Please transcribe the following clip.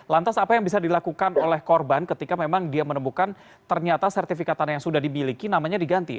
lantas apa yang bisa dilakukan oleh korban ketika memang dia menemukan ternyata sertifikat tanah yang sudah dibiliki namanya diganti